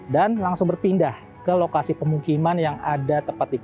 dan langsung berpindah ke lokasi pemukiman yang ada